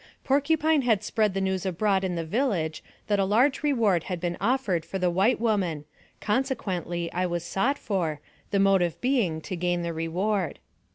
Porcupine had spread the news abroad in the village that a large reward had been offered for the white wo man, consequently I was sought for, the motive being to gain the reward.